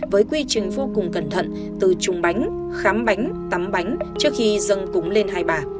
với quy trình vô cùng cẩn thận từ trùng bánh khám bánh tắm bánh trước khi dâng cúng lên hai bà